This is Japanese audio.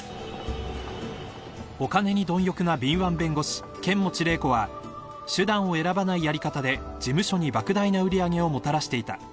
［お金に貪欲な敏腕弁護士剣持麗子は手段を選ばないやり方で事務所に莫大な売り上げをもたらしていた］